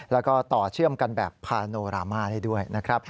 แล้วก็ต่อเชื่อมกันแบบพาโนรามาได้ด้วยนะครับ